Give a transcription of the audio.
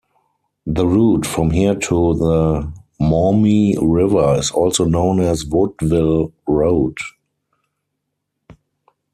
The route from here to the Maumee River is also known as Woodville Road.